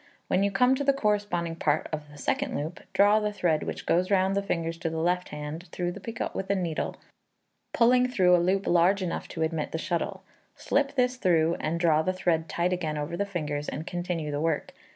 When you come to the corresponding part of the second loop, draw the thread which goes round the fingers of the left hand through the picot with a needle, pulling through a loop large enough to admit the shuttle. Slip this through, then draw the thread tight again over the fingers, and continue the work.